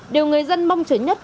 điều người dân mong chờ nhất